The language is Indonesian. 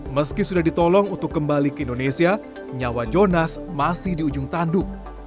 meski sudah ditolong untuk kembali ke indonesia nyawa jonas masih di ujung tanduk